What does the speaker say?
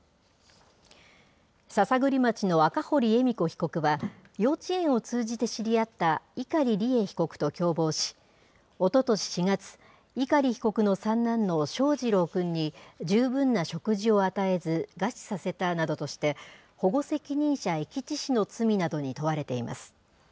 篠栗町の赤堀恵美子被告は、幼稚園を通じて知り合った碇利恵被告と共謀し、おととし４月、碇被告の三男の翔士郎くんに、十分な食事を与えず餓死させたなどとして、保護責任者遺棄致死の罪などに問われています。